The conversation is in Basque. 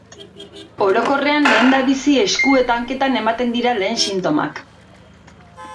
Orokorrean lehendabizi esku eta hanketan ematen dira lehen sintomak.